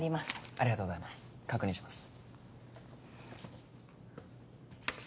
ありがとうございます確認します